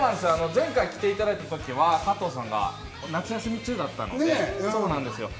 前回来ていただいた時は加藤さんが夏休み中だったので、そうなんですよ。